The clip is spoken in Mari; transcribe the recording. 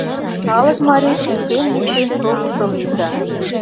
Калык марий пукшен-йӱктен шогышо лийза.